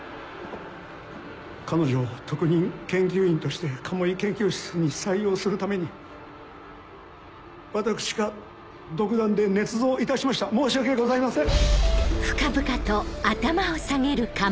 彼女を特任研究員として鴨居研究室に採用するために私が独断でねつ造いたしました申し訳ございません。